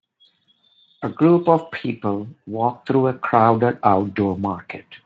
A group of people walk through a crowded outdoor market.